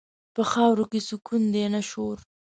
په خاورو کې سکون دی، نه شور.